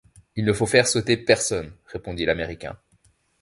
Il ne faut faire sauter personne, répondit l’Américain.